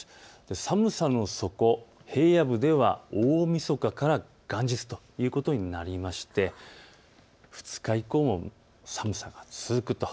寒さの底、平野部では大みそかから元日ということになりまして２日以降も寒さが続くと。